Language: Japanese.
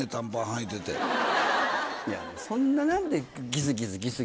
いやそんな何で。